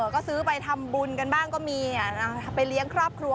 ก็ซื้อไปทำบุญกันบ้างก็มีไปเลี้ยงครอบครัว